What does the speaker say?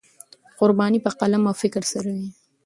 قرباني په قلم او فکر سره وي.